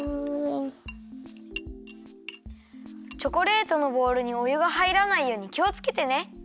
チョコレートのボウルにおゆがはいらないようにきをつけてね。